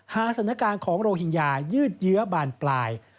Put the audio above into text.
ฆาตสนการของโรหิงญายืดเยื้อบานปลาย